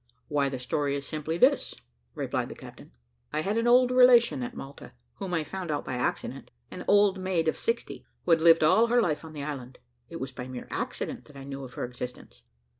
"Why the story is simply this," replied the captain. "I had an old relation at Malta, whom I found out by accident an old maid of sixty, who had lived all her life on the island. It was by mere accident that I knew of her existence.